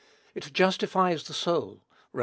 It justifies the soul; (Rom.